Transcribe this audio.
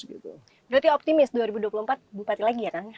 berarti optimis dua ribu dua puluh empat bupati lagi ya kang